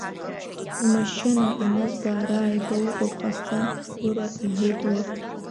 Умашьына анызба ара ааигәа уҟоуп ҟасҵан, Гәыра, — иҳәеит уи.